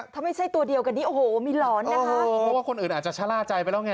ถ้าไม่ใช่ตัวเดียวกันนี้โอ้โหมีหลอนนะคะเพราะว่าคนอื่นอาจจะชะล่าใจไปแล้วไง